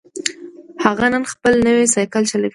هغه نن خپل نوی سایکل چلوي